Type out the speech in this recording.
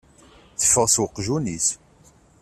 Teffeɣ s uqjun-is.